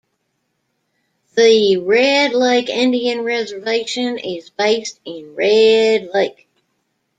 The Red Lake Indian Reservation is based in Red Lake.